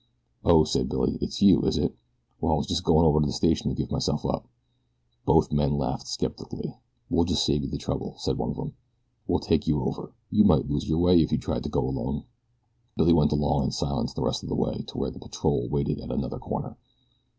"Oh," said Billy, "it's you, is it? Well, I was just goin' over to the station to give myself up." Both men laughed, skeptically. "We'll just save you the trouble," said one of them. "We'll take you over. You might lose your way if you tried to go alone." Billy went along in silence the rest of the way to where the patrol waited at another corner.